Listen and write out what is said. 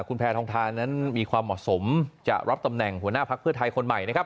คุณแพทองทานนั้นมีความเหมาะสมจะรับตำแหน่งหัวหน้าพักเพื่อไทยคนใหม่นะครับ